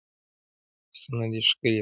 لاسونه دي ښکلي وه